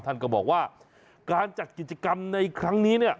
ท่านก็บอกว่าการจัดกิจกรรมในครั้งนี้เนี่ย